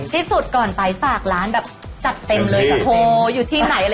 ที่สุดก็เลยเป็นดาวติ๊กต๊อก